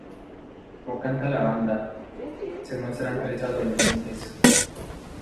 Como canta la banda, se muestran tres adolescentes.